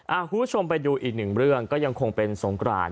คุณผู้ชมไปดูอีกหนึ่งเรื่องก็ยังคงเป็นสงกราน